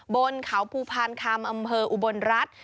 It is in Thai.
บนเขาภูพานคำอำเภออุบลรัฐ